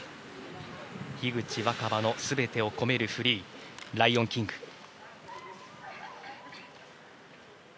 樋口新葉の全てを込めるフリー「ライオン・キング」。